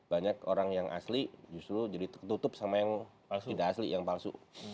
banyak orang yang asli justru jadi tertutup sama yang tidak asli yang palsu